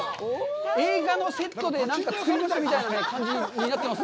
映画のセットでなんか作りましたみたいな感じになってます。